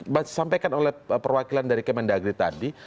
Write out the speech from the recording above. disampaikan oleh perwakilan dari kemendagri tadi